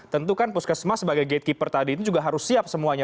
tentu kan puskesmas sebagai gatekeeper tadi ini juga harus siap semuanya